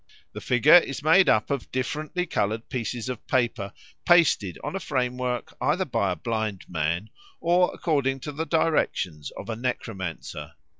The figure is made of differently coloured pieces of paper pasted on a framework either by a blind man or according to the directions of a necromancer.